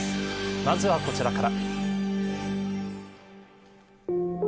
まずは、こちらから。